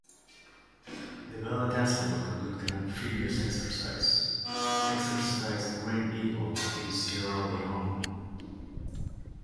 The Vela task group conducted an amphibious exercise, Exercise Green Eagle, in Sierra Leone.